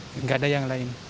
tidak ada yang lain